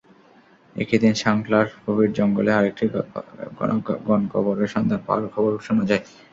একই দিন শংখলার গভীর জঙ্গলে আরেকটি গণকবরের সন্ধান পাওয়ার খবর শোনা যায়।